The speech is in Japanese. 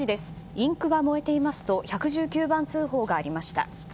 インクが燃えていますと１１９番通報がありました。